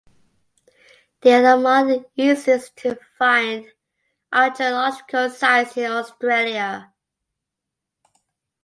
They are among the easiest-to-find archaeological sites in Australia.